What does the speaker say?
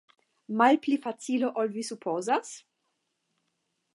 Malpli facile ol vi supozas?